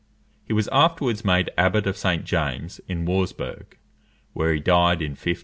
He was afterwards made Abbot of St. James, in Wurzburg, where he died in 1516.